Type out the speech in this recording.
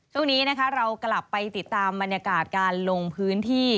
ช่วงนี้นะคะเรากลับไปติดตามบรรยากาศการลงพื้นที่